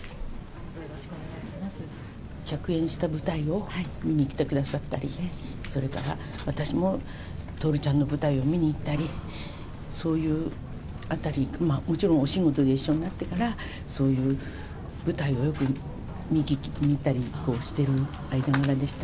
客演した舞台を見に来てくださったりね、それから私も徹ちゃんの舞台を見に行ったり、そういうあたり、もちろんお仕事で一緒になってから、そういう舞台をよく見たりしてる間柄でした。